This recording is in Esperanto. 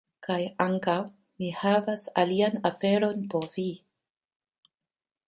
Kaj... ankaŭ mi havas alian aferon por vi